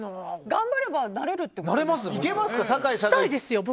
頑張ればなれるということですか？